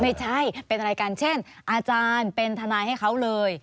ไม่ใช่เป็นอะไรกันเช่นอาจารย์เป็นทนายให้เขาเลย